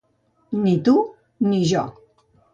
Ni tu ni jo.